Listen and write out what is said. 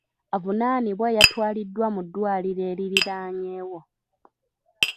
Avunaanibwa yatwaliddwa mu ddwaliro eririraanyeewo.